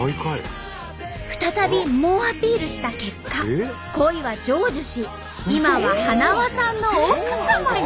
再び猛アピールした結果恋は成就し今ははなわさんの奥様に！